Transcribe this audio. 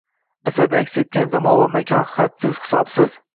asarda aks etgan zamon va makon hadsiz-hisobsiz